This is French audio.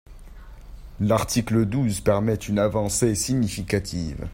L’article douze permet une avancée significative.